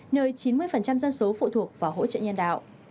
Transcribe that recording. nơi chín mươi dân số phụ thuộc vào hỗ trợ nhân đạo